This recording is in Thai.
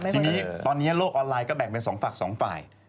ทีนี้ตอนนี้โลกออนไลน์ก็แบ่งเป็น๒ฝั่ง๒ฝ่าย